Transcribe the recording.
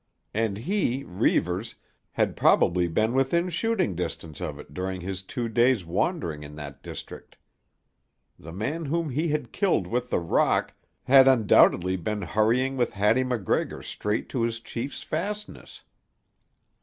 And he, Reivers, had probably been within shooting distance of it during his two days' wandering in that district. The man whom he had killed with the rock had undoubtedly been hurrying with Hattie MacGregor straight to his chief's fastness.